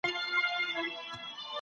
د نفس غوښتني نه کېږي.